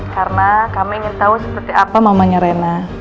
karena kami ingin tahu seperti apa mamanya rena